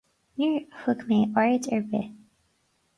Níor thug mé aird ar bith.